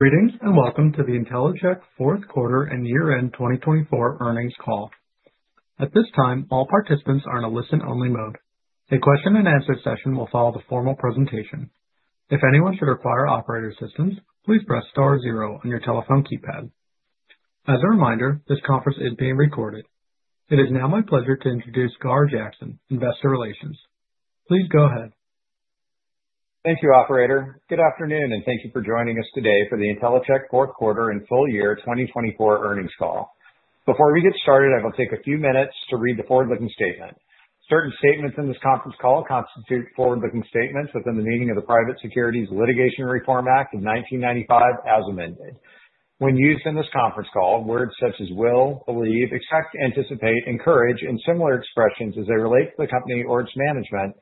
Greetings and welcome to the Intellicheck Fourth Quarter and Year End 2024 Earnings Call. At this time, all participants are in a listen-only mode. A question-and-answer session will follow the formal presentation. If anyone should require operator assistance, please press star zero on your telephone keypad. As a reminder, this conference is being recorded. It is now my pleasure to introduce Gar Jackson, Investor Relations. Please go ahead. Thank you, Operator. Good afternoon, and thank you for joining us today for the Intellicheck Fourth Quarter and Full Year 2024 Earnings Call. Before we get started, I will take a few minutes to read the forward-looking statement. Certain statements in this conference call constitute forward-looking statements within the meaning of the Private Securities Litigation Reform Act of 1995, as amended. When used in this conference call, words such as will, believe, expect, anticipate, encourage, and similar expressions as they relate to the company or its management,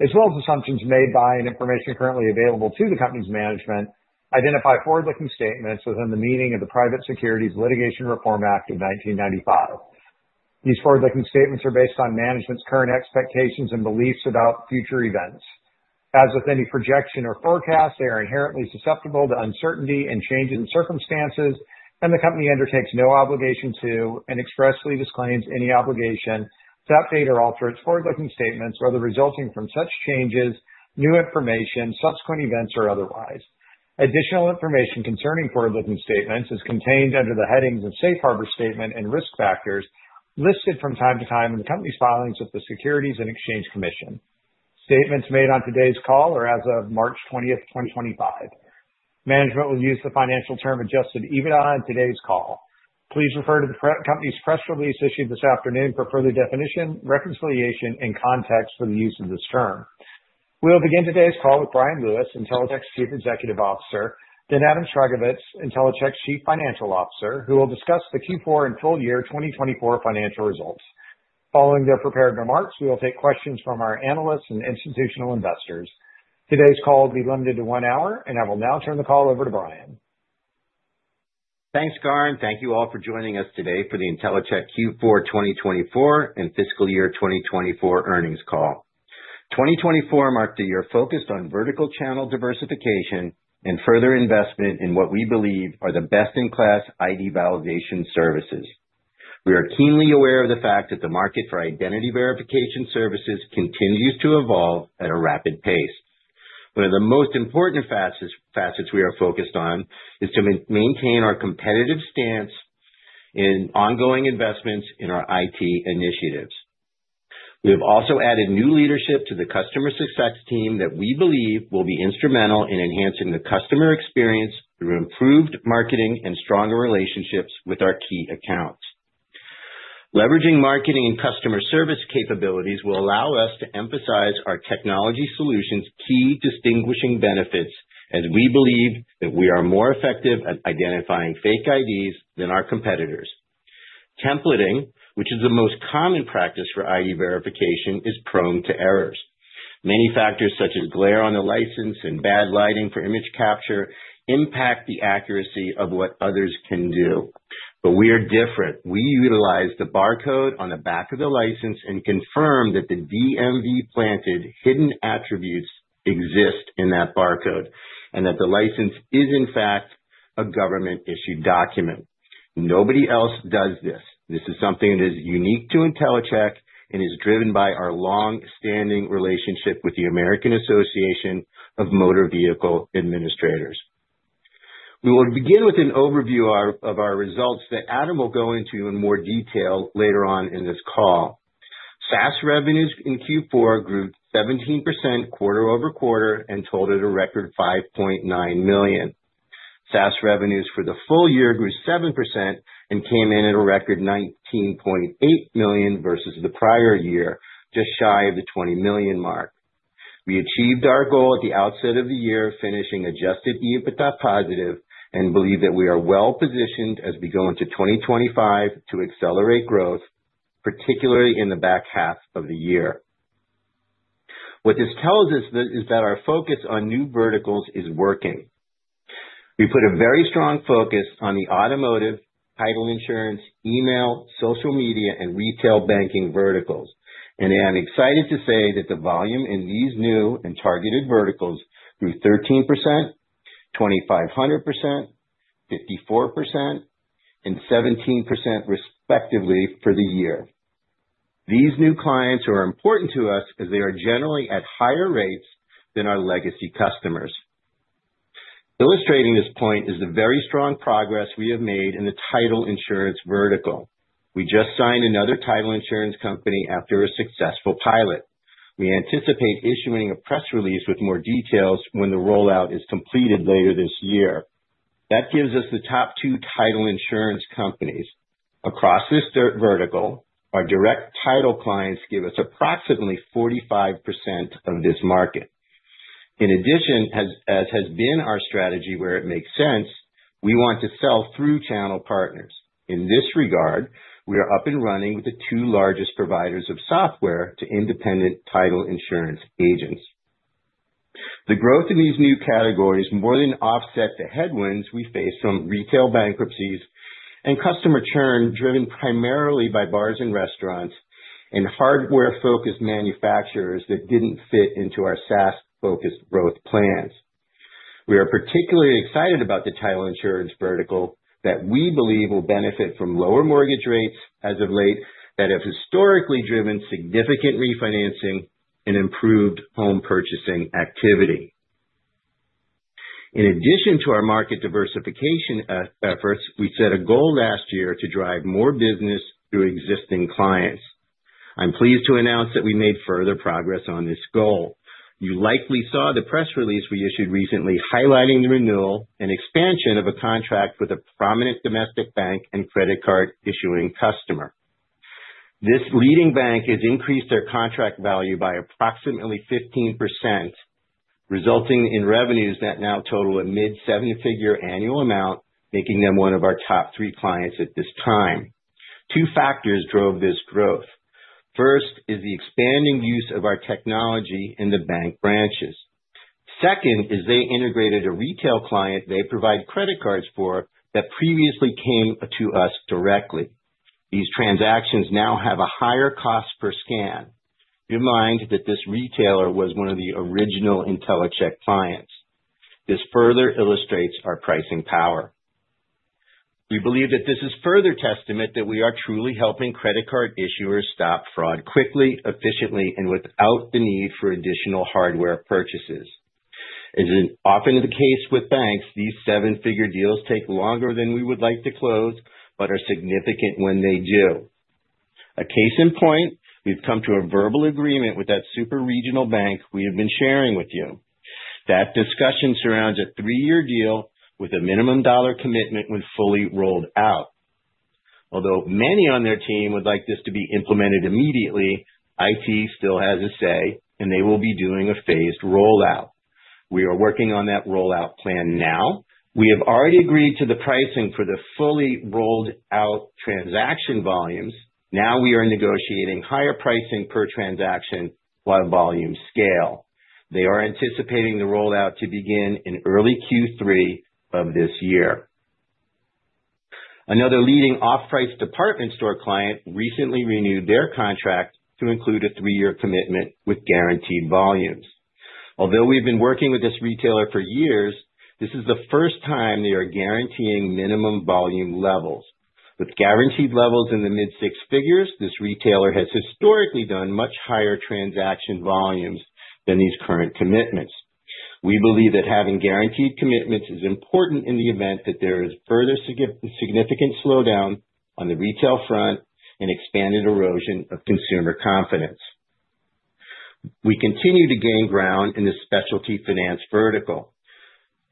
as well as assumptions made by and information currently available to the company's management, identify forward-looking statements within the meaning of the Private Securities Litigation Reform Act of 1995. These forward-looking statements are based on management's current expectations and beliefs about future events. As with any projection or forecast, they are inherently susceptible to uncertainty and changes in circumstances, and the company undertakes no obligation to and expressly disclaims any obligation to update or alter its forward-looking statements whether resulting from such changes, new information, subsequent events, or otherwise. Additional information concerning forward-looking statements is contained under the headings of Safe Harbor Statement and Risk Factors listed from time to time in the company's filings with the Securities and Exchange Commission. Statements made on today's call are as of March 20th, 2025. Management will use the financial term adjusted EBITDA on today's call. Please refer to the company's press release issued this afternoon for further definition, reconciliation, and context for the use of this term. We will begin today's call with Bryan Lewis, Intellicheck's Chief Executive Officer, then Adam Sragovicz, Intellicheck's Chief Financial Officer, who will discuss the Q4 and full year 2024 financial results. Following their prepared remarks, we will take questions from our analysts and institutional investors. Today's call will be limited to one hour, and I will now turn the call over to Bryan. Thanks, Gar, and thank you all for joining us today for the Intellicheck Q4 2024 and Fiscal Year 2024 Earnings Call. 2024 marked a year focused on vertical channel diversification and further investment in what we believe are the best-in-class ID validation services. We are keenly aware of the fact that the market for identity verification services continues to evolve at a rapid pace. One of the most important facets we are focused on is to maintain our competitive stance and ongoing investments in our IT initiatives. We have also added new leadership to the customer success team that we believe will be instrumental in enhancing the customer experience through improved marketing and stronger relationships with our key accounts. Leveraging marketing and customer service capabilities will allow us to emphasize our technology solutions' key distinguishing benefits as we believe that we are more effective at identifying fake IDs than our competitors. Templating, which is the most common practice for ID verification, is prone to errors. Many factors such as glare on the license and bad lighting for image capture impact the accuracy of what others can do. We are different. We utilize the barcode on the back of the license and confirm that the DMV-planted hidden attributes exist in that barcode and that the license is, in fact, a government-issued document. Nobody else does this. This is something that is unique to Intellicheck and is driven by our long-standing relationship with the American Association of Motor Vehicle Administrators. We will begin with an overview of our results that Adam will go into in more detail later on in this call. SaaS revenues in Q4 grew 17% quarter over quarter and totaled a record $5.9 million. SaaS revenues for the full year grew 7% and came in at a record $19.8 million versus the prior year, just shy of the $20 million mark. We achieved our goal at the outset of the year, finishing adjusted EBITDA positive and believe that we are well-positioned as we go into 2025 to accelerate growth, particularly in the back half of the year. What this tells us is that our focus on new verticals is working. We put a very strong focus on the automotive, title insurance, email, social media, and retail banking verticals. I'm excited to say that the volume in these new and targeted verticals grew 13%, 2,500%, 54%, and 17% respectively for the year. These new clients are important to us as they are generally at higher rates than our legacy customers. Illustrating this point is the very strong progress we have made in the title insurance vertical. We just signed another title insurance company after a successful pilot. We anticipate issuing a press release with more details when the rollout is completed later this year. That gives us the top two title insurance companies. Across this vertical, our direct title clients give us approximately 45% of this market. In addition, as has been our strategy where it makes sense, we want to sell through channel partners. In this regard, we are up and running with the two largest providers of software to independent title insurance agents. The growth in these new categories more than offsets the headwinds we face from retail bankruptcies and customer churn driven primarily by bars and restaurants and hardware-focused manufacturers that did not fit into our SaaS-focused growth plans. We are particularly excited about the title insurance vertical that we believe will benefit from lower mortgage rates as of late that have historically driven significant refinancing and improved home purchasing activity. In addition to our market diversification efforts, we set a goal last year to drive more business through existing clients. I'm pleased to announce that we made further progress on this goal. You likely saw the press release we issued recently highlighting the renewal and expansion of a contract with a prominent domestic bank and credit card issuing customer. This leading bank has increased their contract value by approximately 15%, resulting in revenues that now total a mid-seven-figure annual amount, making them one of our top three clients at this time. Two factors drove this growth. First is the expanding use of our technology in the bank branches. Second is they integrated a retail client they provide credit cards for that previously came to us directly. These transactions now have a higher cost per scan. Bear in mind that this retailer was one of the original Intellicheck clients. This further illustrates our pricing power. We believe that this is further testament that we are truly helping credit card issuers stop fraud quickly, efficiently, and without the need for additional hardware purchases. As is often the case with banks, these seven-figure deals take longer than we would like to close, but are significant when they do. A case in point, we've come to a verbal agreement with that super regional bank we have been sharing with you. That discussion surrounds a three-year deal with a minimum dollar commitment when fully rolled out. Although many on their team would like this to be implemented immediately, IT still has a say, and they will be doing a phased rollout. We are working on that rollout plan now. We have already agreed to the pricing for the fully rolled-out transaction volumes. Now we are negotiating higher pricing per transaction while volumes scale. They are anticipating the rollout to begin in early Q3 of this year. Another leading off-price department store client recently renewed their contract to include a three-year commitment with guaranteed volumes. Although we've been working with this retailer for years, this is the first time they are guaranteeing minimum volume levels. With guaranteed levels in the mid-six figures, this retailer has historically done much higher transaction volumes than these current commitments. We believe that having guaranteed commitments is important in the event that there is further significant slowdown on the retail front and expanded erosion of consumer confidence. We continue to gain ground in the specialty finance vertical.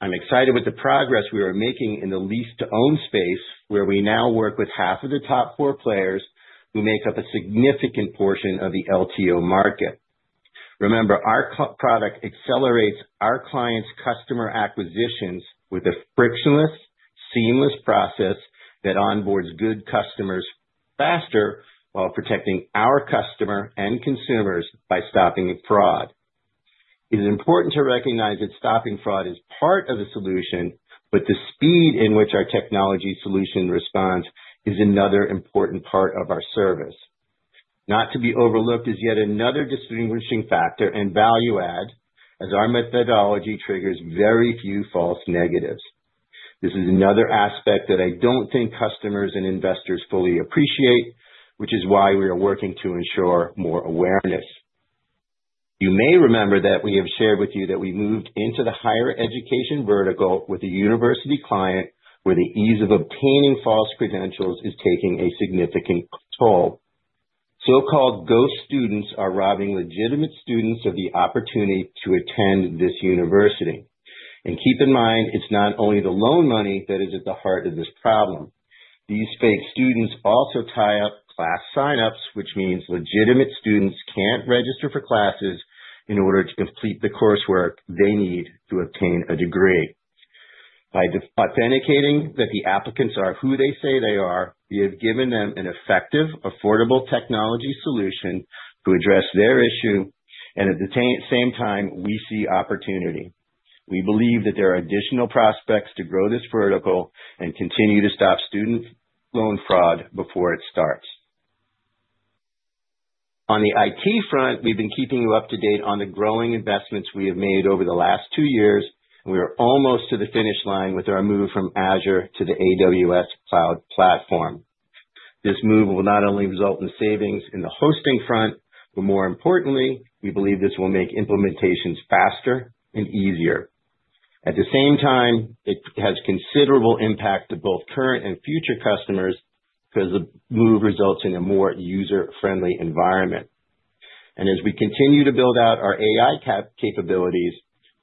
I'm excited with the progress we are making in the lease-to-own space where we now work with half of the top four players who make up a significant portion of the LTO market. Remember, our product accelerates our clients' customer acquisitions with a frictionless, seamless process that onboards good customers faster while protecting our customers and consumers by stopping fraud. It is important to recognize that stopping fraud is part of the solution, but the speed in which our technology solution responds is another important part of our service. Not to be overlooked is yet another distinguishing factor and value-add, as our methodology triggers very few false negatives. This is another aspect that I don't think customers and investors fully appreciate, which is why we are working to ensure more awareness. You may remember that we have shared with you that we moved into the higher education vertical with a university client where the ease of obtaining false credentials is taking a significant toll. So-called ghost students are robbing legitimate students of the opportunity to attend this university. Keep in mind, it's not only the loan money that is at the heart of this problem. These fake students also tie up class sign-ups, which means legitimate students can't register for classes in order to complete the coursework they need to obtain a degree. By authenticating that the applicants are who they say they are, we have given them an effective, affordable technology solution to address their issue, and at the same time, we see opportunity. We believe that there are additional prospects to grow this vertical and continue to stop student loan fraud before it starts. On the IT front, we've been keeping you up to date on the growing investments we have made over the last two years, and we are almost to the finish line with our move from Azure to the AWS Cloud Platform. This move will not only result in savings in the hosting front, but more importantly, we believe this will make implementations faster and easier. At the same time, it has considerable impact to both current and future customers because the move results in a more user-friendly environment. As we continue to build out our AI capabilities,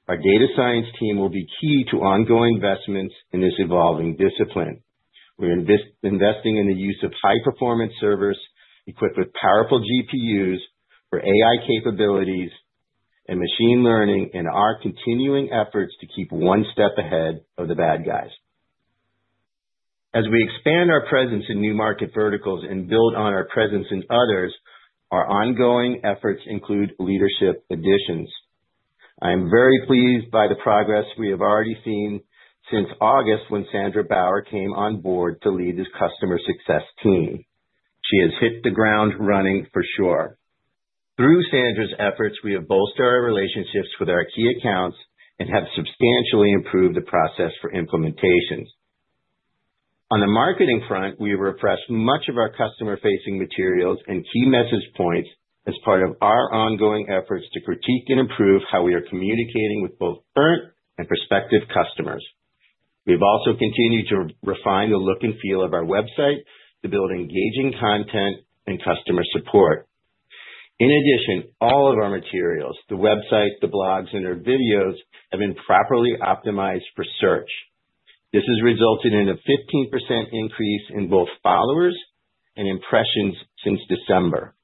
our data science team will be key to ongoing investments in this evolving discipline. We're investing in the use of high-performance servers equipped with powerful GPUs for AI capabilities and machine learning in our continuing efforts to keep one step ahead of the bad guys. As we expand our presence in new market verticals and build on our presence in others, our ongoing efforts include leadership additions. I am very pleased by the progress we have already seen since August when Sandra Bower came on board to lead this customer success team. She has hit the ground running for sure. Through Sandra's efforts, we have bolstered our relationships with our key accounts and have substantially improved the process for implementations. On the marketing front, we have refreshed much of our customer-facing materials and key message points as part of our ongoing efforts to critique and improve how we are communicating with both current and prospective customers. We have also continued to refine the look and feel of our website to build engaging content and customer support. In addition, all of our materials, the website, the blogs, and our videos have been properly optimized for search. This has resulted in a 15% increase in both followers and impressions since December.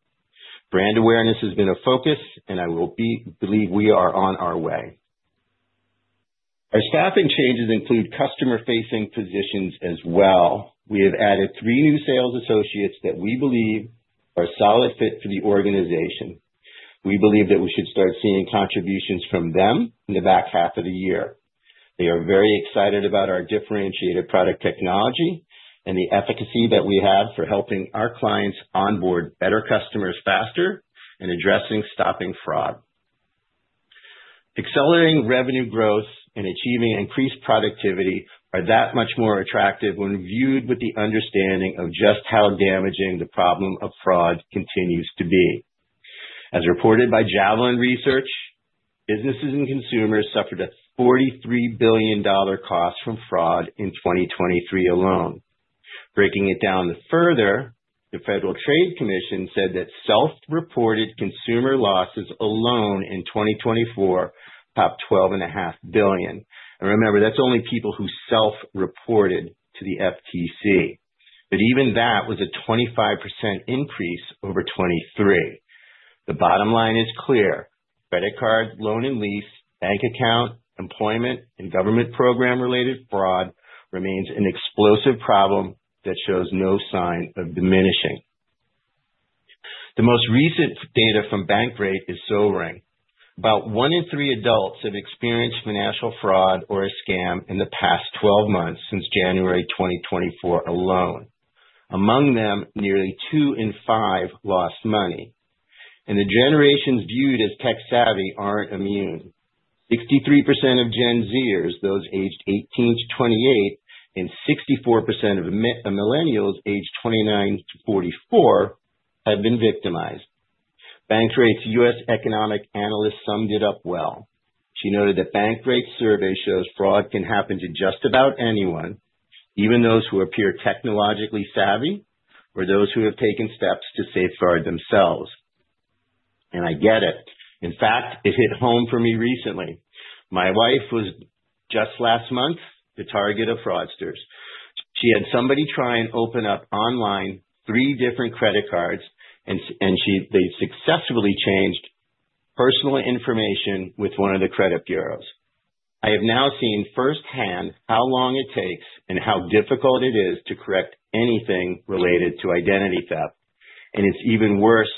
Brand awareness has been a focus, and I believe we are on our way. Our staffing changes include customer-facing positions as well. We have added three new sales associates that we believe are a solid fit for the organization. We believe that we should start seeing contributions from them in the back half of the year. They are very excited about our differentiated product technology and the efficacy that we have for helping our clients onboard better customers faster and addressing stopping fraud. Accelerating revenue growth and achieving increased productivity are that much more attractive when viewed with the understanding of just how damaging the problem of fraud continues to be. As reported by Javelin Research, businesses and consumers suffered a $43 billion cost from fraud in 2023 alone. Breaking it down further, the Federal Trade Commission said that self-reported consumer losses alone in 2024 topped $12.5 billion. Remember, that's only people who self-reported to the FTC. Even that was a 25% increase over 2023. The bottom line is clear. Credit card, loan and lease, bank account, employment, and government program-related fraud remains an explosive problem that shows no sign of diminishing. The most recent data from Bankrate is sobering. About one in three adults have experienced financial fraud or a scam in the past 12 months since January 2024 alone. Among them, nearly two in five lost money. The generations viewed as tech-savvy are not immune. 63% of Gen Zers, those aged 18-28, and 64% of Millennials aged 29-44 have been victimized. Bankrate's U.S. economic analyst summed it up well. She noted that Bankrate's survey shows fraud can happen to just about anyone, even those who appear technologically savvy or those who have taken steps to safeguard themselves. I get it. In fact, it hit home for me recently. My wife was just last month the target of fraudsters. She had somebody try and open up online three different credit cards, and they successfully changed personal information with one of the credit bureaus. I have now seen firsthand how long it takes and how difficult it is to correct anything related to identity theft. It's even worse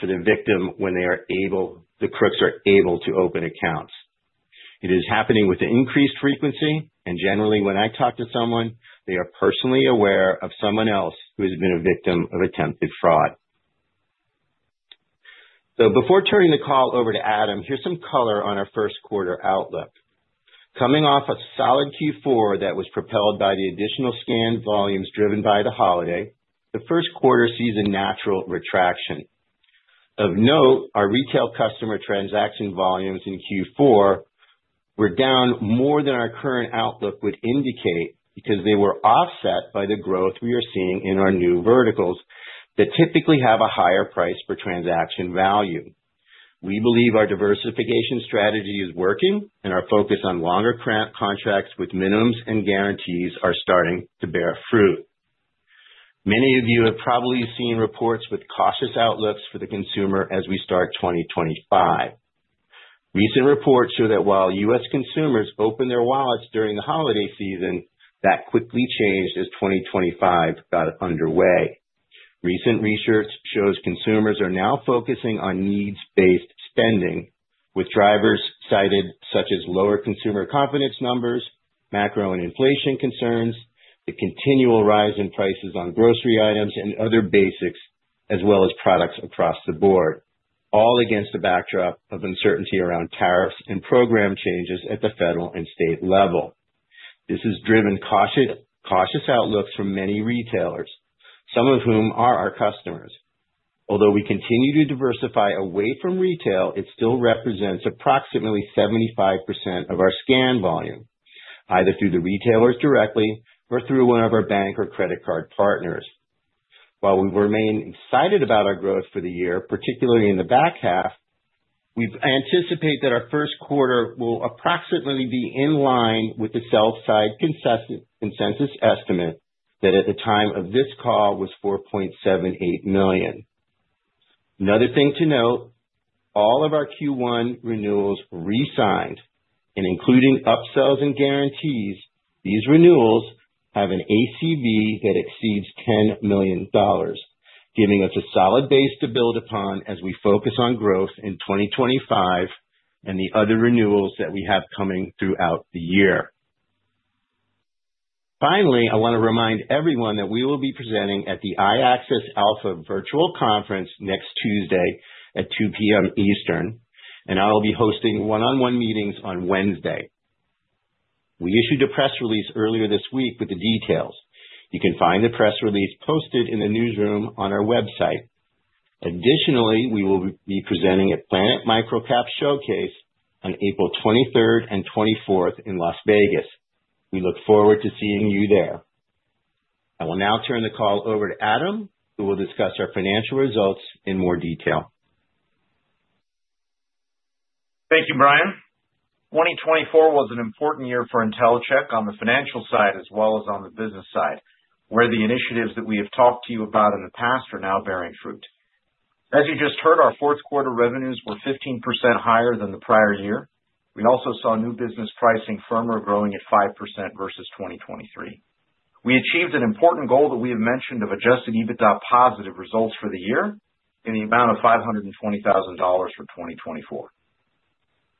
for the victim when the crooks are able to open accounts. It is happening with increased frequency, and generally, when I talk to someone, they are personally aware of someone else who has been a victim of attempted fraud. Before turning the call over to Adam, here's some color on our first quarter outlook. Coming off a solid Q4 that was propelled by the additional scanned volumes driven by the holiday, the first quarter sees a natural retraction. Of note, our retail customer transaction volumes in Q4 were down more than our current outlook would indicate because they were offset by the growth we are seeing in our new verticals that typically have a higher price per transaction value. We believe our diversification strategy is working, and our focus on longer contracts with minimums and guarantees is starting to bear fruit. Many of you have probably seen reports with cautious outlooks for the consumer as we start 2025. Recent reports show that while U.S. consumers opened their wallets during the holiday season, that quickly changed as 2025 got underway. Recent research shows consumers are now focusing on needs-based spending, with drivers cited such as lower consumer confidence numbers, macro and inflation concerns, the continual rise in prices on grocery items and other basics, as well as products across the board, all against the backdrop of uncertainty around tariffs and program changes at the federal and state level. This has driven cautious outlooks from many retailers, some of whom are our customers. Although we continue to diversify away from retail, it still represents approximately 75% of our scan volume, either through the retailers directly or through one of our bank or credit card partners. While we remain excited about our growth for the year, particularly in the back half, we anticipate that our first quarter will approximately be in line with the sell-side consensus estimate that at the time of this call was $4.78 million. Another thing to note, all of our Q1 renewals re-signed. Including upsells and guarantees, these renewals have an ACV that exceeds $10 million, giving us a solid base to build upon as we focus on growth in 2025 and the other renewals that we have coming throughout the year. Finally, I want to remind everyone that we will be presenting at the iAccess Alpha Virtual Conference next Tuesday at 2:00 P.M. Eastern, and I'll be hosting one-on-one meetings on Wednesday. We issued a press release earlier this week with the details. You can find the press release posted in the newsroom on our website. Additionally, we will be presenting at Planet MicroCap Showcase on April 23 and 24 in Las Vegas. We look forward to seeing you there. I will now turn the call over to Adam, who will discuss our financial results in more detail. Thank you, Bryan. 2024 was an important year for Intellicheck on the financial side as well as on the business side, where the initiatives that we have talked to you about in the past are now bearing fruit. As you just heard, our fourth quarter revenues were 15% higher than the prior year. We also saw new business pricing firm-wide growing at 5% versus 2023. We achieved an important goal that we have mentioned of adjusted EBITDA positive results for the year in the amount of $520,000 for 2024.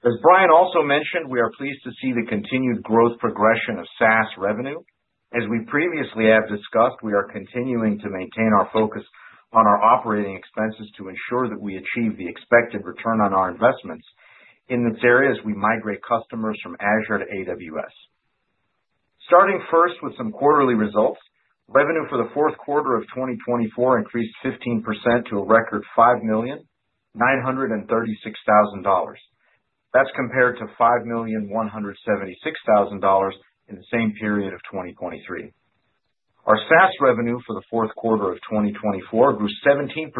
As Bryan also mentioned, we are pleased to see the continued growth progression of SaaS revenue. As we previously have discussed, we are continuing to maintain our focus on our operating expenses to ensure that we achieve the expected return on our investments in the areas we migrate customers from Azure to AWS. Starting first with some quarterly results, revenue for the fourth quarter of 2024 increased 15% to a record $5,936,000. That's compared to $5,176,000 in the same period of 2023. Our SaaS revenue for the fourth quarter of 2024 grew 17%,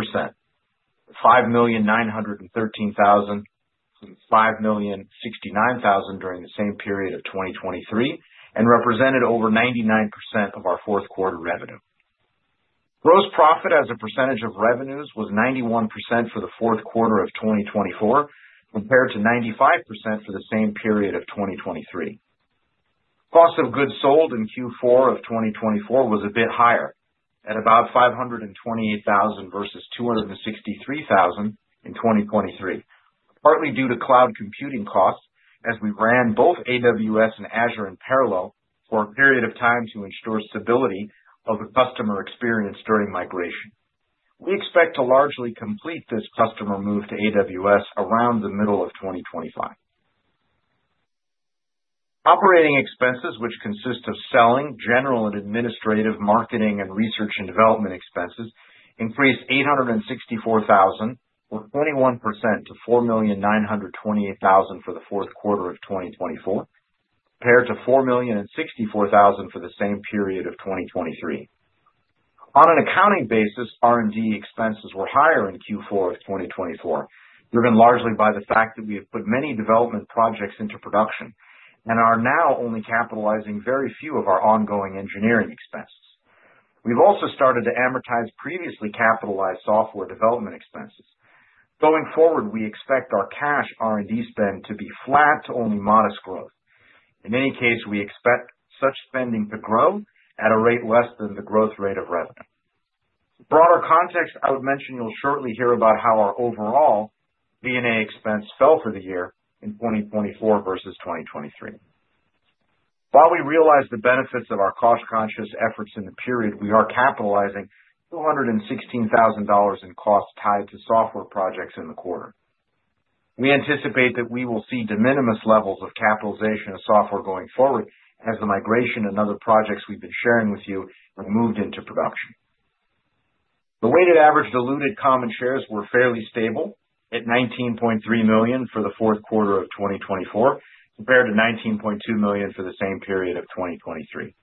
$5,913,000-$5,069,000 during the same period of 2023, and represented over 99% of our fourth quarter revenue. Gross profit as a percentage of revenues was 91% for the fourth quarter of 2024 compared to 95% for the same period of 2023. Cost of goods sold in Q4 of 2024 was a bit higher, at about $528,000 versus $263,000 in 2023, partly due to cloud computing costs as we ran both AWS and Azure in parallel for a period of time to ensure stability of the customer experience during migration. We expect to largely complete this customer move to AWS around the middle of 2025. Operating expenses, which consist of selling, general and administrative marketing, and research and development expenses, increased $864,000, or 21%, to $4,928,000 for the fourth quarter of 2024, compared to $4,064,000 for the same period of 2023. On an accounting basis, R&D expenses were higher in Q4 of 2024, driven largely by the fact that we have put many development projects into production and are now only capitalizing very few of our ongoing engineering expenses. We've also started to amortize previously capitalized software development expenses. Going forward, we expect our cash R&D spend to be flat to only modest growth. In any case, we expect such spending to grow at a rate less than the growth rate of revenue. For broader context, I would mention you'll shortly hear about how our overall G&A expense fell for the year in 2024 versus 2023. While we realize the benefits of our cost-conscious efforts in the period, we are capitalizing $216,000 in costs tied to software projects in the quarter. We anticipate that we will see de minimis levels of capitalization of software going forward as the migration and other projects we've been sharing with you are moved into production. The weighted average diluted common shares were fairly stable at 19.3 million for the fourth quarter of 2024, compared to 19.2 million for the same period of 2023.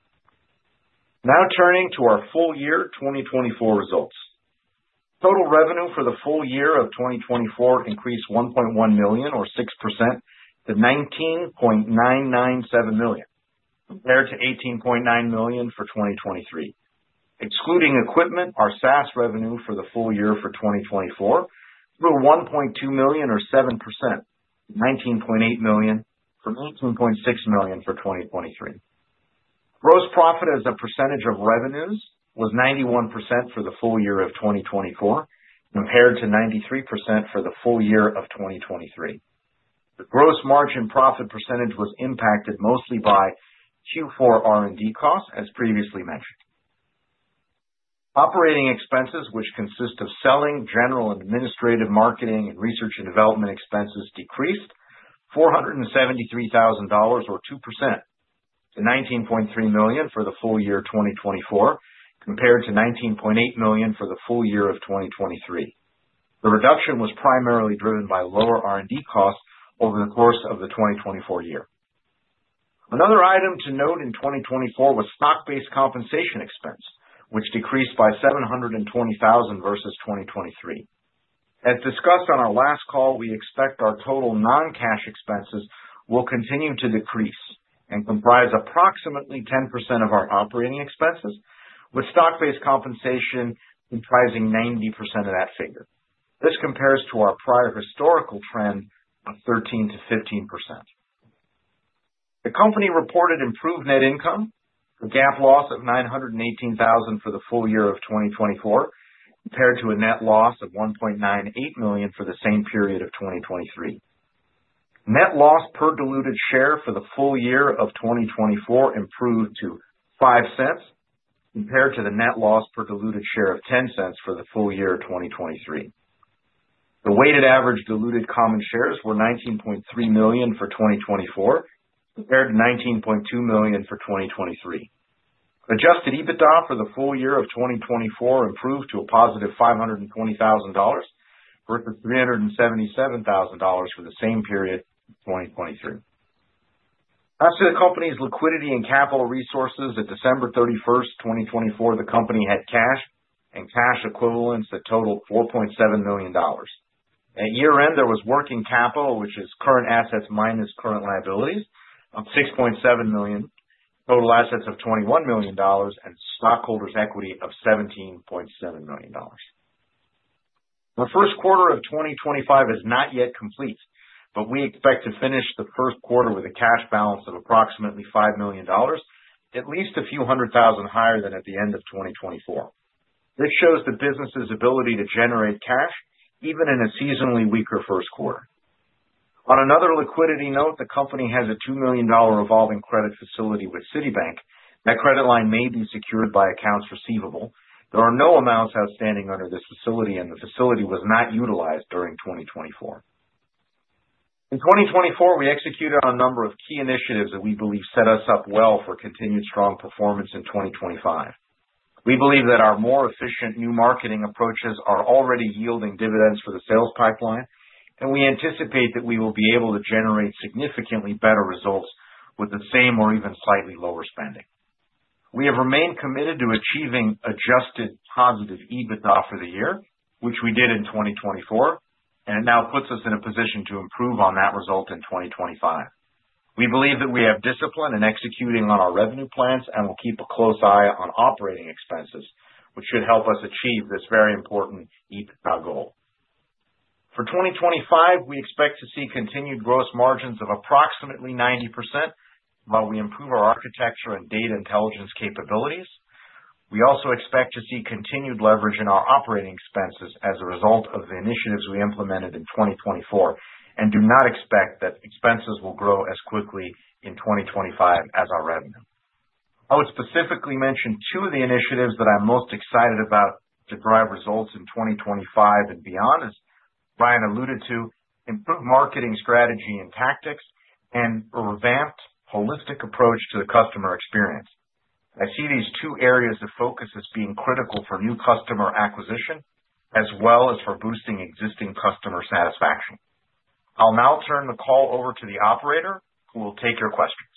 Now turning to our full year 2024 results, total revenue for the full year of 2024 increased $1.1 million, or 6%, to $19.997 million, compared to $18.9 million for 2023. Excluding equipment, our SaaS revenue for the full year for 2024 grew $1.2 million, or 7%, to $19.8 million, compared to $19.6 million for 2023. Gross profit as a percentage of revenues was 91% for the full year of 2024, compared to 93% for the full year of 2023. The gross margin profit percentage was impacted mostly by Q4 R&D costs, as previously mentioned. Operating expenses, which consist of selling, general and administrative marketing, and research and development expenses, decreased $473,000, or 2%, to $19.3 million for the full year 2024, compared to $19.8 million for the full year of 2023. The reduction was primarily driven by lower R&D costs over the course of the 2024 year. Another item to note in 2024 was stock-based compensation expense, which decreased by $720,000 versus 2023. As discussed on our last call, we expect our total non-cash expenses will continue to decrease and comprise approximately 10% of our operating expenses, with stock-based compensation comprising 90% of that figure. This compares to our prior historical trend of 13%-15%. The company reported improved net income, a GAAP loss of $918,000 for the full year of 2024, compared to a net loss of $1.98 million for the same period of 2023. Net loss per diluted share for the full year of 2024 improved to $0.05, compared to the net loss per diluted share of $0.10 for the full year of 2023. The weighted average diluted common shares were 19.3 million for 2024, compared to 19.2 million for 2023. Adjusted EBITDA for the full year of 2024 improved to a positive $520,000 versus $377,000 for the same period of 2023. As to the company's liquidity and capital resources, at December 31, 2024, the company had cash and cash equivalents that totaled $4.7 million. At year-end, there was working capital, which is current assets minus current liabilities, of $6.7 million, total assets of $21 million, and stockholders' equity of $17.7 million. Our first quarter of 2025 is not yet complete, but we expect to finish the first quarter with a cash balance of approximately $5 million, at least a few hundred thousand higher than at the end of 2024. This shows the business's ability to generate cash even in a seasonally weaker first quarter. On another liquidity note, the company has a $2 million revolving credit facility with Citibank. That credit line may be secured by accounts receivable. There are no amounts outstanding under this facility, and the facility was not utilized during 2024. In 2024, we executed on a number of key initiatives that we believe set us up well for continued strong performance in 2025. We believe that our more efficient new marketing approaches are already yielding dividends for the sales pipeline, and we anticipate that we will be able to generate significantly better results with the same or even slightly lower spending. We have remained committed to achieving adjusted positive EBITDA for the year, which we did in 2024, and it now puts us in a position to improve on that result in 2025. We believe that we have discipline in executing on our revenue plans and will keep a close eye on operating expenses, which should help us achieve this very important EBITDA goal. For 2025, we expect to see continued gross margins of approximately 90% while we improve our architecture and data intelligence capabilities. We also expect to see continued leverage in our operating expenses as a result of the initiatives we implemented in 2024 and do not expect that expenses will grow as quickly in 2025 as our revenue. I would specifically mention two of the initiatives that I'm most excited about to drive results in 2025 and beyond, as Bryan alluded to, improved marketing strategy and tactics, and a revamped holistic approach to the customer experience. I see these two areas of focus as being critical for new customer acquisition as well as for boosting existing customer satisfaction. I'll now turn the call over to the operator, who will take your questions.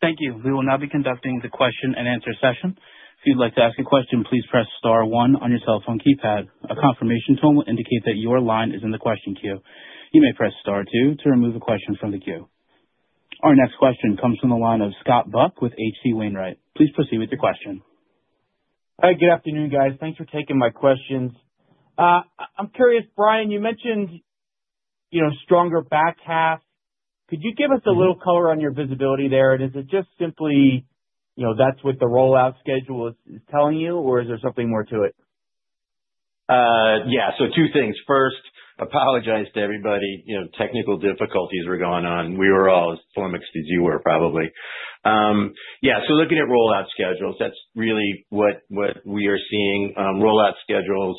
Thank you. We will now be conducting the question-and-answer session. If you'd like to ask a question, please press star one on your cell phone keypad. A confirmation tone will indicate that your line is in the question queue. You may press star two to remove a question from the queue. Our next question comes from the line of Scott Buck with H.C. Wainwright. Please proceed with your question. Hi, good afternoon, guys. Thanks for taking my questions. I'm curious, Bryan, you mentioned stronger back half. Could you give us a little color on your visibility there? Is it just simply that's what the rollout schedule is telling you, or is there something more to it? Yeah, two things. F=irst, apologize to everybody. Technical difficulties were going on. We were all as flummoxed as you were, probably. Yeah, looking at rollout schedules, that's really what we are seeing. Rollout schedules,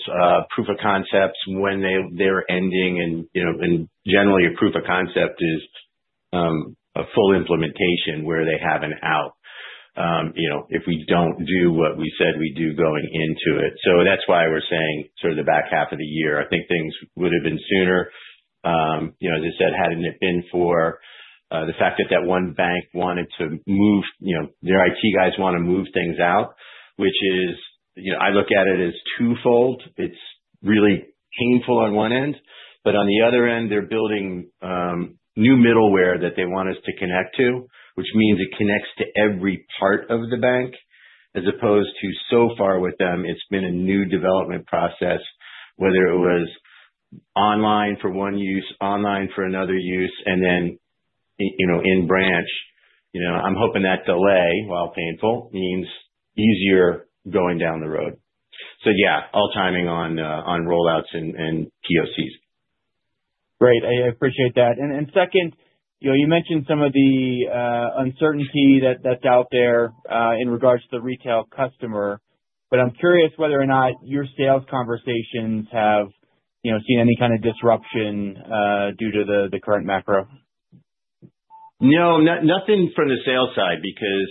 proof of concepts when they're ending. Generally, a proof of concept is a full implementation where they have an out if we do not do what we said we would do going into it. That is why we are saying sort of the back half of the year. I think things would have been sooner. As I said, had it not been for the fact that that one bank wanted to move, their IT guys want to move things out, which I look at as twofold. It is really painful on one end, but on the other end, they are building new middleware that they want us to connect to, which means it connects to every part of the bank, as opposed to so far with them, it has been a new development process, whether it was online for one use, online for another use, and then in branch. I am hoping that delay, while painful, means easier going down the road. Yeah, all timing on rollouts and POCs. Great. I appreciate that. Second, you mentioned some of the uncertainty that's out there in regards to the retail customer, but I'm curious whether or not your sales conversations have seen any kind of disruption due to the current macro. No, nothing from the sales side because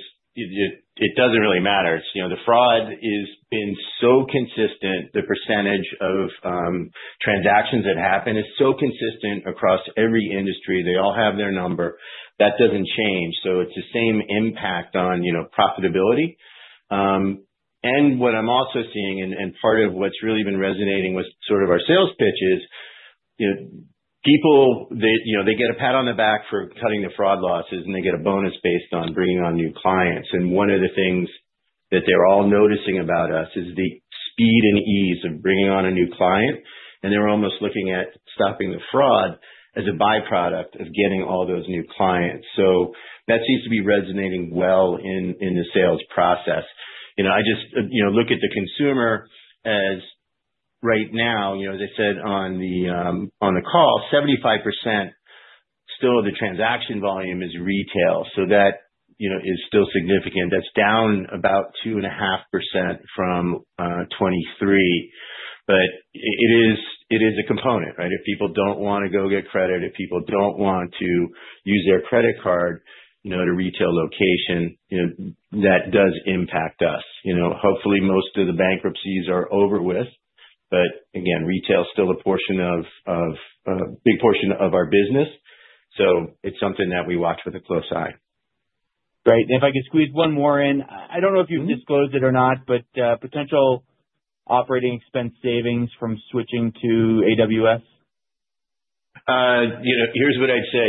it doesn't really matter. The fraud has been so consistent. The percentage of transactions that happen is so consistent across every industry. They all have their number. That doesn't change. It's the same impact on profitability. What I'm also seeing, and part of what's really been resonating with sort of our sales pitches, people, they get a pat on the back for cutting the fraud losses, and they get a bonus based on bringing on new clients. One of the things that they're all noticing about us is the speed and ease of bringing on a new client. They're almost looking at stopping the fraud as a byproduct of getting all those new clients. That seems to be resonating well in the sales process. I just look at the consumer as right now, as I said on the call, 75% still of the transaction volume is retail. That is still significant. That is down about 2.5% from 2023. It is a component, right? If people do not want to go get credit, if people do not want to use their credit card at a retail location, that does impact us. Hopefully, most of the bankruptcies are over with. Retail is still a big portion of our business. It is something that we watch with a close eye. Great. If I could squeeze one more in, I do not know if you have disclosed it or not, but potential operating expense savings from switching to AWS? Here is what I would say.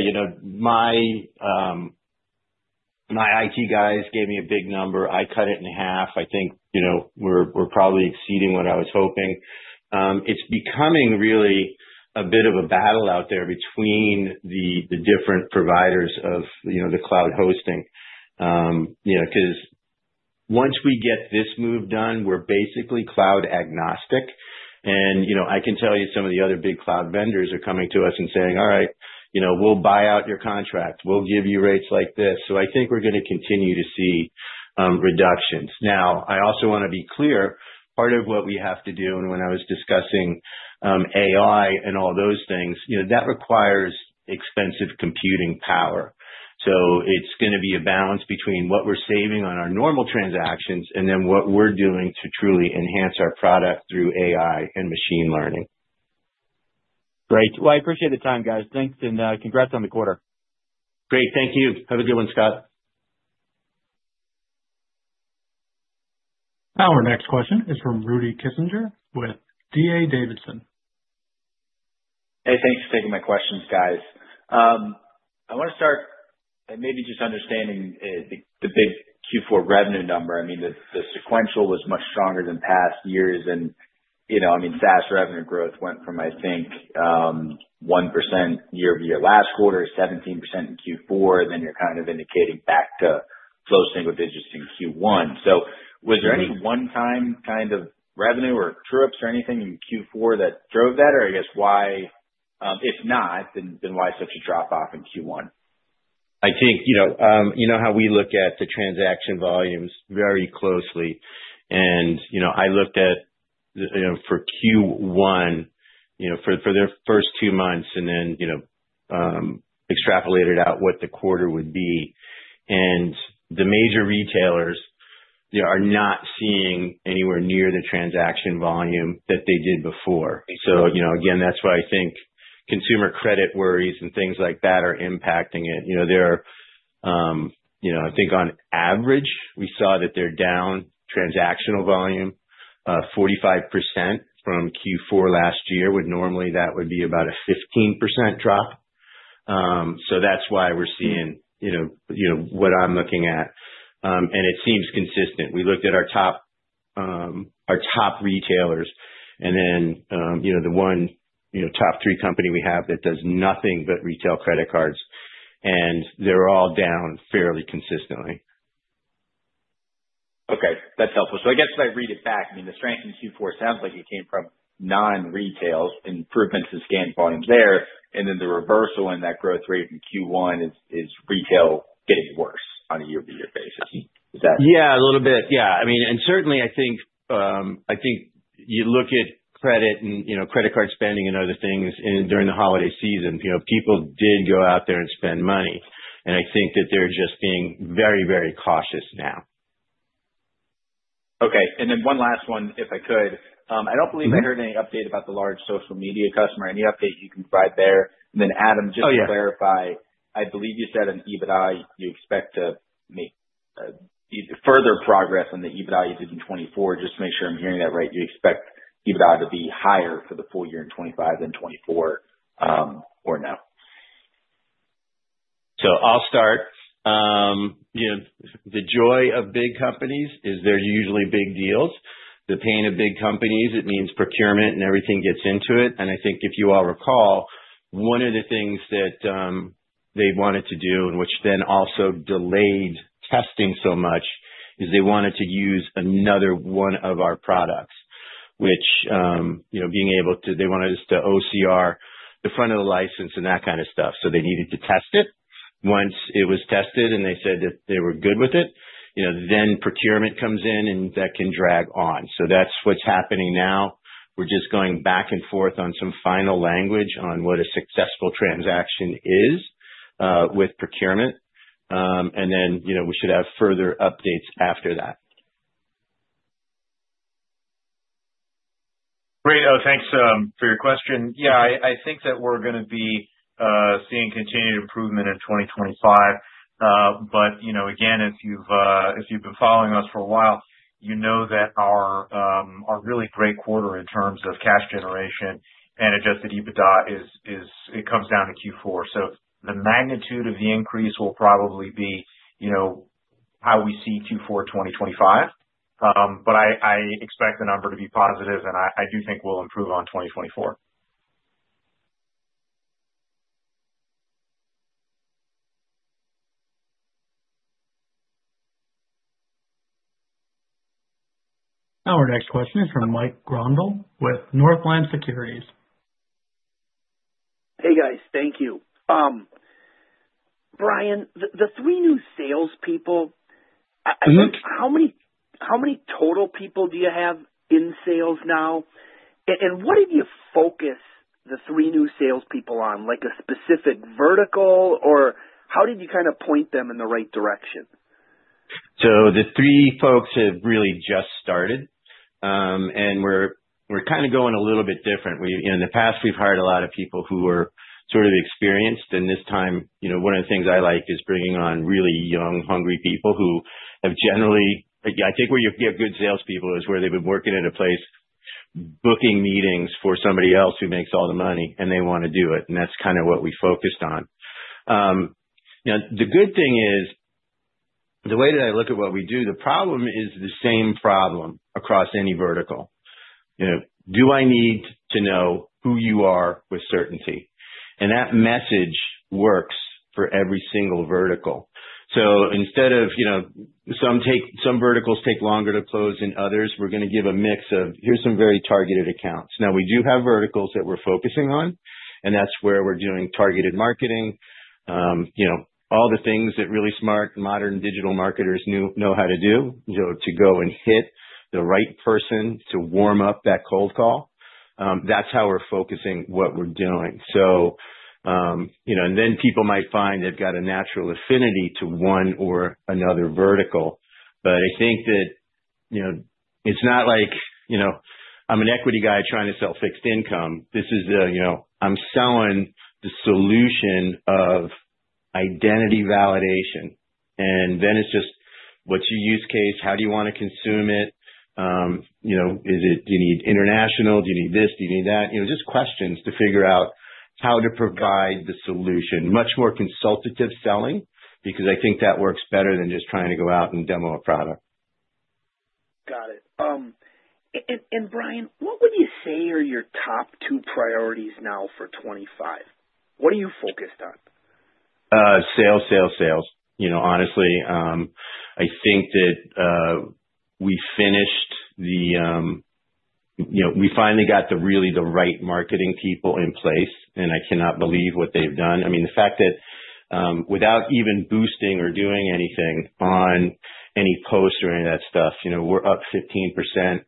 My IT guys gave me a big number. I cut it in half. I think we are probably exceeding what I was hoping. It is becoming really a bit of a battle out there between the different providers of the cloud hosting. Because once we get this move done, we are basically cloud agnostic. I can tell you some of the other big cloud vendors are coming to us and saying, "All right, we will buy out your contract. We will give you rates like this." I think we are going to continue to see reductions. Now, I also want to be clear, part of what we have to do, and when I was discussing AI and all those things, that requires expensive computing power. So it's going to be a balance between what we're saving on our normal transactions and then what we're doing to truly enhance our product through AI and machine learning. Great. I appreciate the time, guys. Thanks, and congrats on the quarter. Great. Thank you. Have a good one, Scott. Our next question is from Rudy Kessinger with D.A. Davidson. Hey, thanks for taking my questions, guys. I want to start maybe just understanding the big Q4 revenue number. I mean, the sequential was much stronger than past years. I mean, SaaS revenue growth went from, I think, 1% year-over-year last quarter to 17% in Q4. And then you're kind of indicating back to low single digits in Q1. Was there any one-time kind of revenue or trips or anything in Q4 that drove that? If not, then why such a drop-off in Q1? I think you know how we look at the transaction volumes very closely. I looked at for Q1, for the first two months, and then extrapolated out what the quarter would be. The major retailers are not seeing anywhere near the transaction volume that they did before. That's why I think consumer credit worries and things like that are impacting it. I think on average, we saw that their down transactional volume, 45% from Q4 last year, when normally that would be about a 15% drop. That's why we're seeing what I'm looking at. It seems consistent. We looked at our top retailers, and then the one top three company we have that does nothing but retail credit cards. They're all down fairly consistently. Okay. That's helpful. I guess if I read it back, I mean, the strength in Q4 sounds like it came from non-retails, improvements in scan volumes there. The reversal in that growth rate in Q1 is retail getting worse on a year-over-year basis. Is that? Yeah, a little bit. Yeah. I mean, and certainly, I think you look at credit and credit card spending and other things during the holiday season. People did go out there and spend money. I think that they're just being very, very cautious now. Okay. One last one, if I could. I don't believe I heard any update about the large social media customer. Any update you can provide there? Then, Adam, just to clarify, I believe you said on EBITDA, you expect to make further progress on the EBITDA you did in 2024. Just to make sure I'm hearing that right, you expect EBITDA to be higher for the full year in 2025 than 2024 or no? I'll start. The joy of big companies is they're usually big deals. The pain of big companies, it means procurement and everything gets into it. I think if you all recall, one of the things that they wanted to do, which then also delayed testing so much, is they wanted to use another one of our products, which being able to they wanted us to OCR the front of the license and that kind of stuff. They needed to test it. Once it was tested and they said that they were good with it, then procurement comes in and that can drag on. That is what is happening now. We are just going back and forth on some final language on what a successful transaction is with procurement. We should have further updates after that. Great. Oh, thanks for your question. Yeah, I think that we are going to be seeing continued improvement in 2025. If you have been following us for a while, you know that our really great quarter in terms of cash generation and adjusted EBITDA, it comes down to Q4. The magnitude of the increase will probably be how we see Q4 2025. I expect the number to be positive, and I do think we will improve on 2024. Our next question is from Mike Grondahl with Northland Securities. Hey, guys. Thank you. Bryan, the three new salespeople, how many total people do you have in sales now? What did you focus the three new salespeople on, like a specific vertical, or how did you kind of point them in the right direction? The three folks have really just started, and we're kind of going a little bit different. In the past, we've hired a lot of people who are sort of experienced. This time, one of the things I like is bringing on really young, hungry people who have generally I think where you get good salespeople is where they've been working at a place, booking meetings for somebody else who makes all the money, and they want to do it. That's kind of what we focused on. The good thing is, the way that I look at what we do, the problem is the same problem across any vertical. Do I need to know who you are with certainty? That message works for every single vertical. Instead of some verticals take longer to close than others, we're going to give a mix of, here's some very targeted accounts. Now, we do have verticals that we're focusing on, and that's where we're doing targeted marketing. All the things that really smart and modern digital marketers know how to do to go and hit the right person to warm up that cold call. That's how we're focusing what we're doing. People might find they've got a natural affinity to one or another vertical. I think that it's not like I'm an equity guy trying to sell fixed income. This is I'm selling the solution of identity validation. Then it's just what's your use case? How do you want to consume it? Do you need international? Do you need this? Do you need that? Just questions to figure out how to provide the solution. Much more consultative selling because I think that works better than just trying to go out and demo a product. Got it. Bryan, what would you say are your top two priorities now for 2025? What are you focused on? Sales, sales, sales. Honestly, I think that we finished the we finally got really the right marketing people in place, and I cannot believe what they've done. I mean, the fact that without even boosting or doing anything on any post or any of that stuff, we're up 15%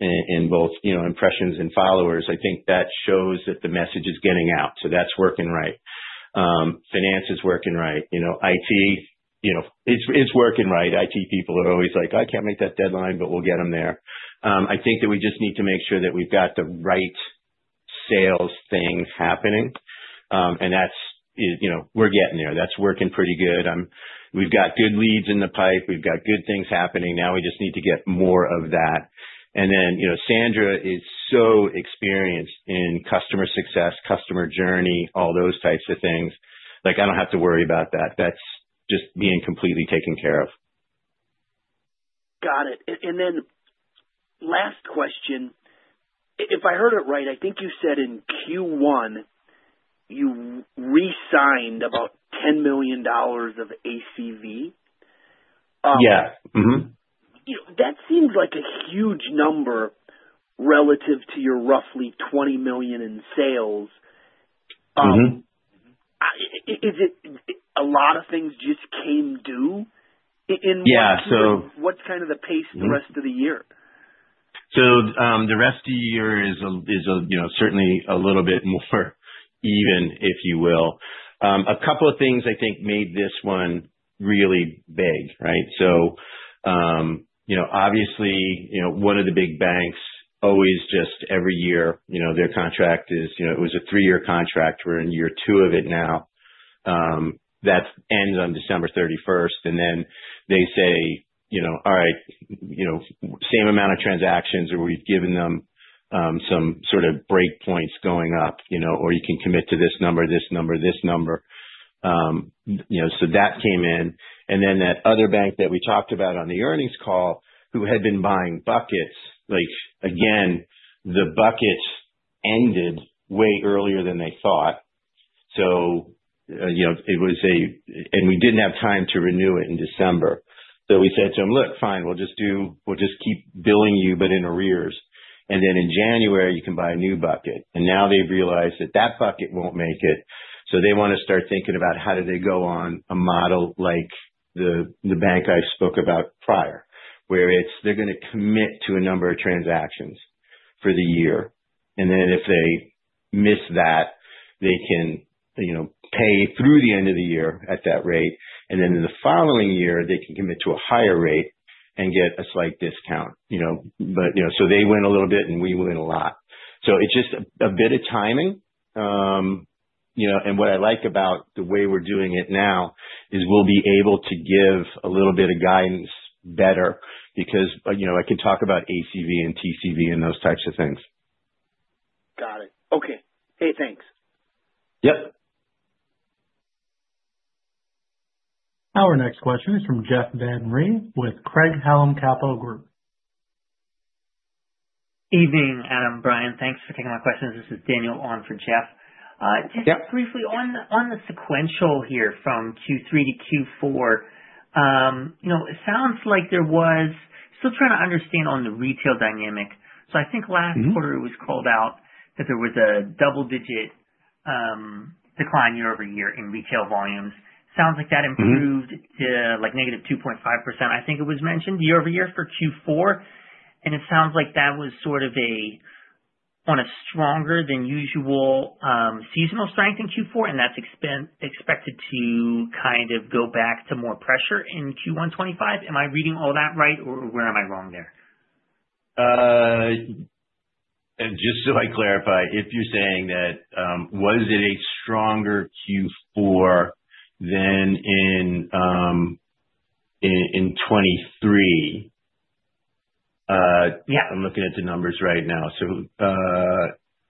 in both impressions and followers. I think that shows that the message is getting out. That is working right. Finance is working right. IT is working right. IT people are always like, "I can't make that deadline, but we'll get them there." I think that we just need to make sure that we've got the right sales thing happening. We are getting there. That is working pretty good. We've got good leads in the pipe. We've got good things happening. Now we just need to get more of that. Sandra is so experienced in customer success, customer journey, all those types of things. I don't have to worry about that. That is just being completely taken care of. Got it. Last question, if I heard it right, I think you said in Q1, you re-signed about $10 million of ACV. Yeah. That seems like a huge number relative to your roughly $20 million in sales. Is it a lot of things just came due? Yeah. What's kind of the pace the rest of the year? The rest of the year is certainly a little bit more even, if you will. A couple of things I think made this one really big, right? Obviously, one of the big banks always just every year, their contract is it was a three-year contract. We're in year two of it now. That ends on December 31. They say, "All right, same amount of transactions," or we've given them some sort of break points going up, or you can commit to this number, this number, this number. That came in. That other bank that we talked about on the earnings call, who had been buying buckets, again, the buckets ended way earlier than they thought. It was a and we did not have time to renew it in December. We said to them, "Look, fine. We will just keep billing you, but in arrears." In January, you can buy a new bucket. Now they have realized that that bucket will not make it. They want to start thinking about how they go on a model like the bank I spoke about prior, where they are going to commit to a number of transactions for the year. If they miss that, they can pay through the end of the year at that rate. In the following year, they can commit to a higher rate and get a slight discount. They win a little bit and we win a lot. It is just a bit of timing. What I like about the way we are doing it now is we will be able to give a little bit of guidance better because I can talk about ACV and TCV and those types of things. Got it. Okay. Hey, thanks. Yep. Our next question is from Jeff Van Rhee with Craig-Hallum Capital Group. Evening, Adam. Bryan, thanks for taking my questions. This is Daniel on for Jeff. Just briefly on the sequential here from Q3 to Q4, it sounds like there was still trying to understand on the retail dynamic. I think last quarter it was called out that there was a double-digit decline year-over-year in retail volumes. Sounds like that improved to negative 2.5%. I think it was mentioned year-over-year for Q4. It sounds like that was sort of on a stronger than usual seasonal strength in Q4. That is expected to kind of go back to more pressure in Q1 2025. Am I reading all that right, or where am I wrong there? Just so I clarify, if you're saying that, was it a stronger Q4 than in 2023? Yeah. I'm looking at the numbers right now.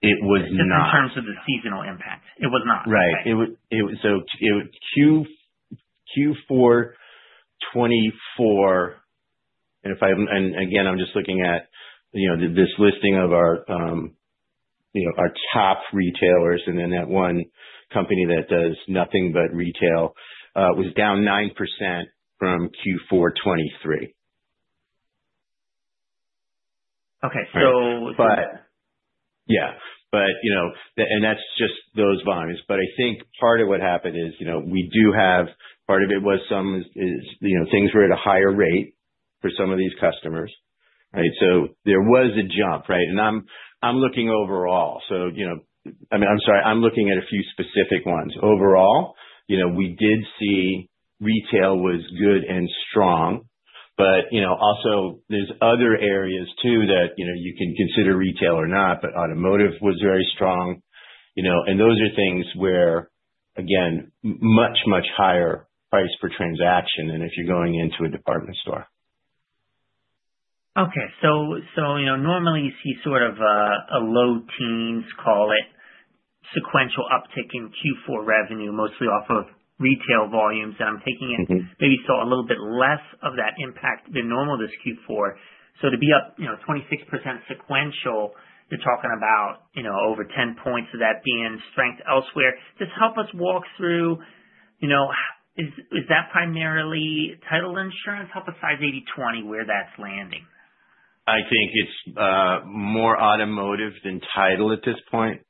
It was not. In terms of the seasonal impact, it was not. Right. Q4 2024, and again, I'm just looking at this listing of our top retailers, and then that one company that does nothing but retail was down 9% from Q4 2023. Okay. Yeah. That is just those volumes. I think part of what happened is we do have part of it was some things were at a higher rate for some of these customers, right? There was a jump, right? I'm looking overall. I mean, I'm sorry, I'm looking at a few specific ones. Overall, we did see retail was good and strong. There are other areas too that you can consider retail or not, but automotive was very strong. Those are things where, again, much, much higher price per transaction than if you're going into a department store. Normally, you see sort of a low teens, call it sequential uptick in Q4 revenue, mostly off of retail volumes. I'm taking it maybe saw a little bit less of that impact than normal this Q4. To be up 26% sequential, you're talking about over 10 points of that being strength elsewhere. Just help us walk through, is that primarily title insurance? Help us size 80/20 where that's landing. I think it's more automotive than title at this point.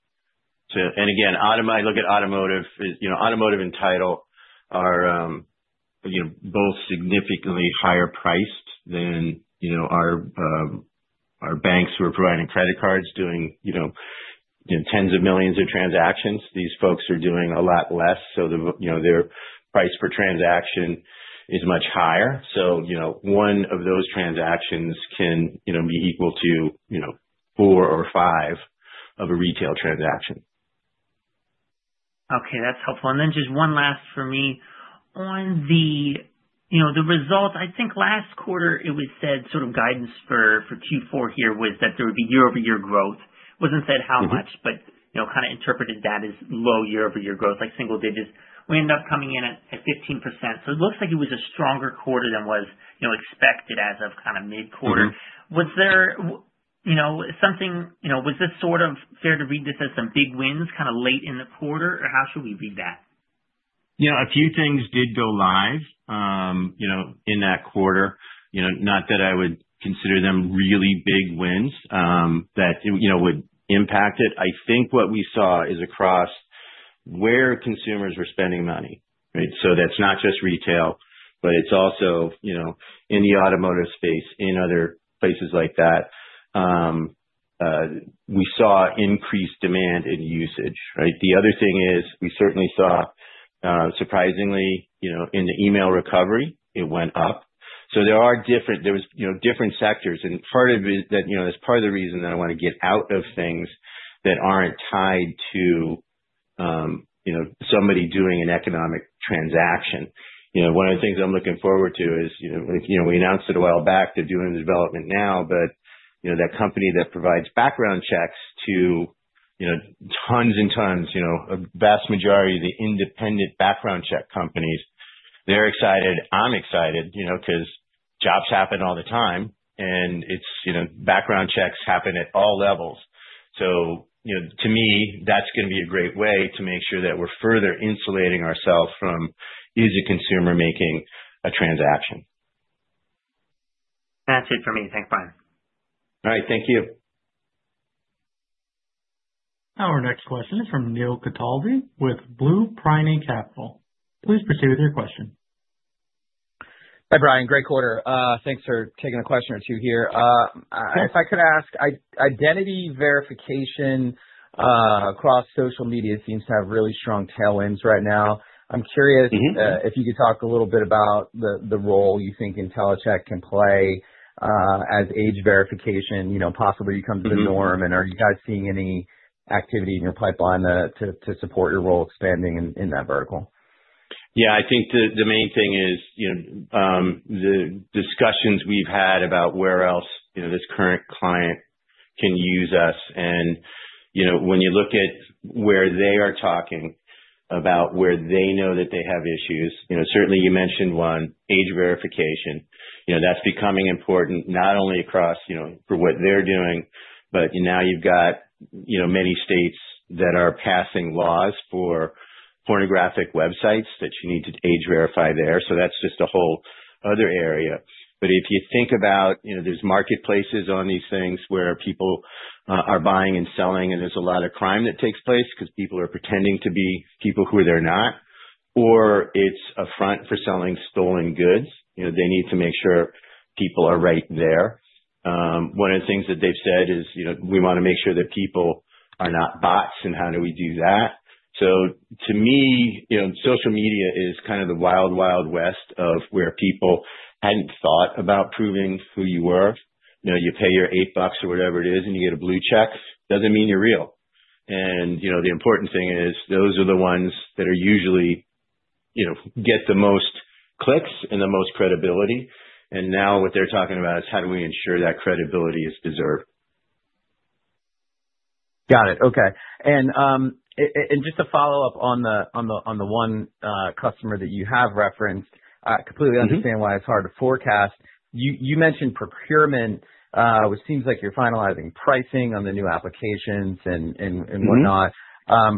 I look at automotive as automotive and title are both significantly higher priced than our banks who are providing credit cards doing tens of millions of transactions. These folks are doing a lot less. Their price per transaction is much higher. One of those transactions can be equal to four or five of a retail transaction. Okay. That's helpful. Just one last for me on the results. I think last quarter, it was said sort of guidance for Q4 here was that there would be year-over-year growth. It wasn't said how much, but kind of interpreted that as low year-over-year growth, like single digits. We ended up coming in at 15%. It looks like it was a stronger quarter than was expected as of kind of mid-quarter. Was there something, was this sort of fair to read this as some big wins kind of late in the quarter, or how should we read that? A few things did go live in that quarter. Not that I would consider them really big wins that would impact it. I think what we saw is across where consumers were spending money, right? That is not just retail, but it is also in the automotive space, in other places like that. We saw increased demand and usage, right? The other thing is we certainly saw, surprisingly, in the email recovery, it went up. There were different sectors. Part of it is that is part of the reason that I want to get out of things that are not tied to somebody doing an economic transaction. One of the things I'm looking forward to is we announced it a while back. They're doing the development now. That company that provides background checks to tons and tons, the vast majority of the independent background check companies, they're excited. I'm excited because jobs happen all the time, and background checks happen at all levels. To me, that's going to be a great way to make sure that we're further insulating ourselves from easy consumer making a transaction. That's it for me. Thanks, Bryan. All right. Thank you. Our next question is from Neil Cataldi with Blueprint Capital. Please proceed with your question. Hi, Bryan. Great quarter. Thanks for taking a question or two here. If I could ask, identity verification across social media seems to have really strong tailwinds right now. I'm curious if you could talk a little bit about the role you think Intellicheck can play as age verification possibly becomes the norm. Are you guys seeing any activity in your pipeline to support your role expanding in that vertical? Yeah. I think the main thing is the discussions we've had about where else this current client can use us. When you look at where they are talking about where they know that they have issues, certainly you mentioned one, age verification. That's becoming important not only across for what they're doing, but now you've got many states that are passing laws for pornographic websites that you need to age verify there. That's just a whole other area. You think about it, there are marketplaces on these things where people are buying and selling, and there is a lot of crime that takes place because people are pretending to be people who they are not, or it is a front for selling stolen goods. They need to make sure people are right there. One of the things that they have said is we want to make sure that people are not bots, and how do we do that? To me, social media is kind of the wild, wild west of where people had not thought about proving who you were. You pay your $8 or whatever it is, and you get a blue check. It does not mean you are real. The important thing is those are the ones that usually get the most clicks and the most credibility. Now what they're talking about is how do we ensure that credibility is deserved. Got it. Okay. Just to follow up on the one customer that you have referenced, I completely understand why it's hard to forecast. You mentioned procurement, which seems like you're finalizing pricing on the new applications and whatnot.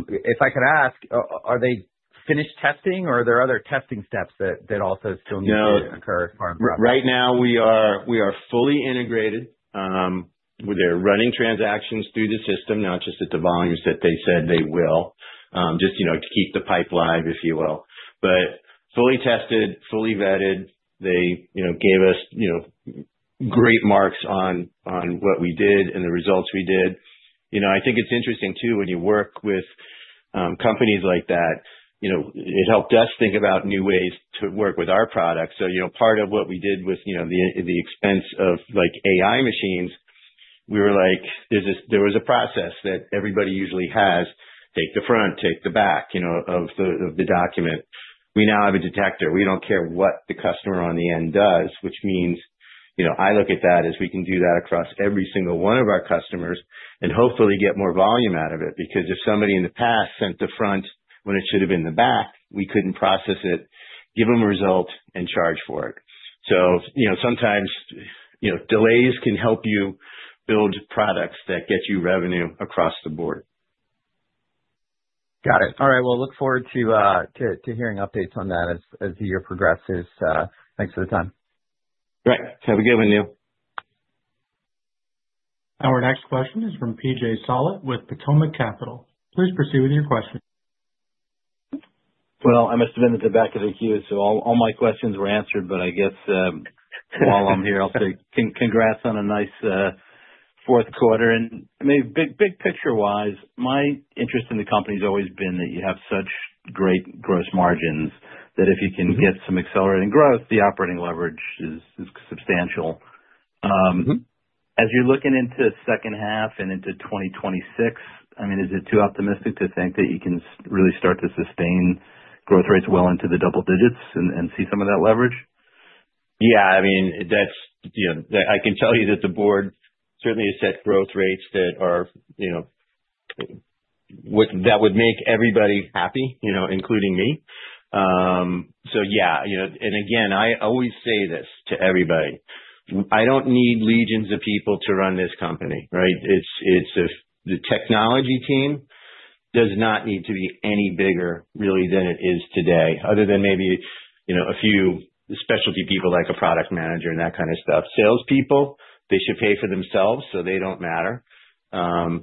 If I could ask, are they finished testing, or are there other testing steps that also still need to occur? Right now, we are fully integrated. They're running transactions through the system, not just at the volumes that they said they will, just to keep the pipe live, if you will. Fully tested, fully vetted. They gave us great marks on what we did and the results we did. I think it's interesting too when you work with companies like that. It helped us think about new ways to work with our products. Part of what we did with the expense of AI machines, we were like, there was a process that everybody usually has, take the front, take the back of the document. We now have a detector. We do not care what the customer on the end does, which means I look at that as we can do that across every single one of our customers and hopefully get more volume out of it. Because if somebody in the past sent the front when it should have been the back, we could not process it, give them a result, and charge for it. Sometimes delays can help you build products that get you revenue across the board. Got it. All right. Look forward to hearing updates on that as the year progresses. Thanks for the time. Right. Have a good one, Neil. Our next question is from PJ Solit with Potomac Capital. Please proceed with your question. I must have been at the back of the queue, so all my questions were answered. I guess while I'm here, I'll say congrats on a nice fourth quarter. I mean, big picture-wise, my interest in the company has always been that you have such great gross margins that if you can get some accelerating growth, the operating leverage is substantial. As you're looking into second half and into 2026, I mean, is it too optimistic to think that you can really start to sustain growth rates well into the double digits and see some of that leverage? Yeah. I mean, I can tell you that the board certainly has set growth rates that would make everybody happy, including me. Yeah. I always say this to everybody. I don't need legions of people to run this company, right? The technology team does not need to be any bigger really than it is today, other than maybe a few specialty people like a product manager and that kind of stuff. Salespeople, they should pay for themselves, so they don't matter.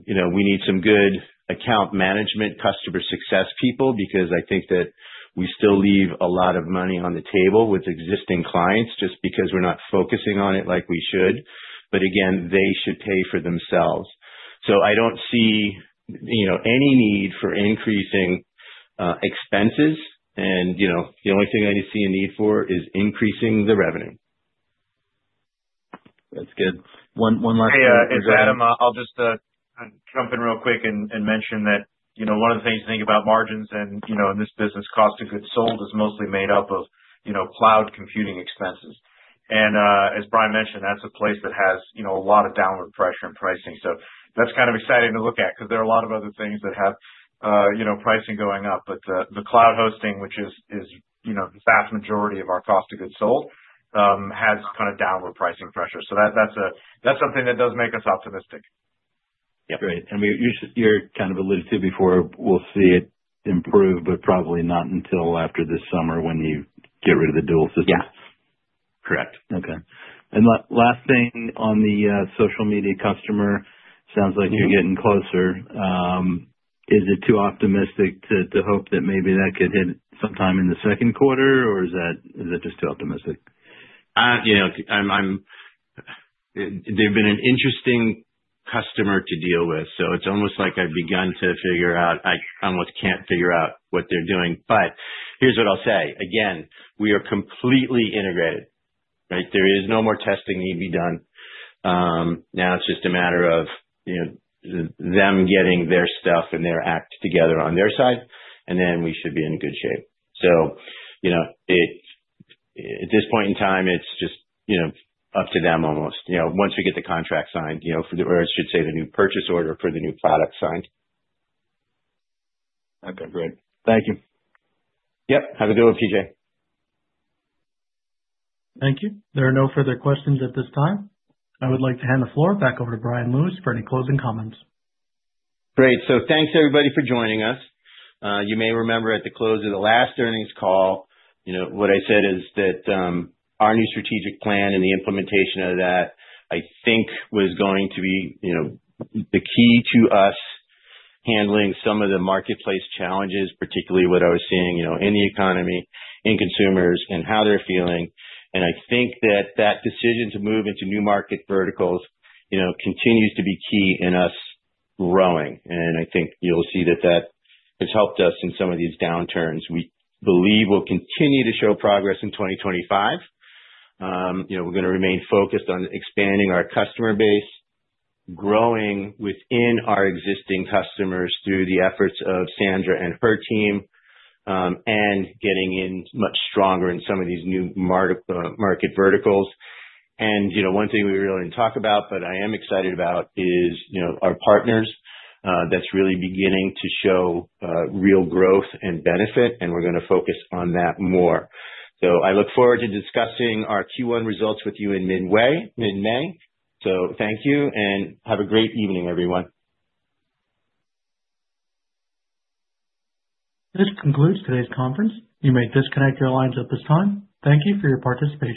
We need some good account management, customer success people, because I think that we still leave a lot of money on the table with existing clients just because we're not focusing on it like we should. Again, they should pay for themselves. I don't see any need for increasing expenses. The only thing I see a need for is increasing the revenue. That's good. One last question. Hey, it's Adam, I'll just jump in real quick and mention that one of the things you think about margins in this business, cost of goods sold, is mostly made up of cloud computing expenses. As Bryan mentioned, that's a place that has a lot of downward pressure in pricing. That's kind of exciting to look at because there are a lot of other things that have pricing going up. The cloud hosting, which is the vast majority of our cost of goods sold, has kind of downward pricing pressure. That's something that does make us optimistic. Yep. Great. You're kind of alluded to before, we'll see it improve, but probably not until after this summer when you get rid of the dual systems. Yeah. Correct. Okay. Last thing on the social media customer, sounds like you're getting closer. Is it too optimistic to hope that maybe that could hit sometime in the second quarter, or is that just too optimistic? They've been an interesting customer to deal with. It's almost like I've begun to figure out I almost can't figure out what they're doing. Here's what I'll say. Again, we are completely integrated, right? There is no more testing need to be done. Now it's just a matter of them getting their stuff and their act together on their side, and then we should be in good shape. At this point in time, it's just up to them almost once we get the contract signed, or I should say the new purchase order for the new product signed. Okay. Great. Thank you. Yep. Have a good one, PJ. Thank you. There are no further questions at this time. I would like to hand the floor back over to Bryan Lewis for any closing comments. Great. Thanks, everybody, for joining us. You may remember at the close of the last earnings call, what I said is that our new strategic plan and the implementation of that, I think, was going to be the key to us handling some of the marketplace challenges, particularly what I was seeing in the economy, in consumers, and how they're feeling. I think that that decision to move into new market verticals continues to be key in us growing. I think you'll see that that has helped us in some of these downturns. We believe we'll continue to show progress in 2025. We're going to remain focused on expanding our customer base, growing within our existing customers through the efforts of Sandra and her team, and getting in much stronger in some of these new market verticals. One thing we really did not talk about, but I am excited about, is our partners that are really beginning to show real growth and benefit, and we are going to focus on that more. I look forward to discussing our Q1 results with you in mid-May. Thank you, and have a great evening, everyone. This concludes today's conference. You may disconnect your lines at this time. Thank you for your participation.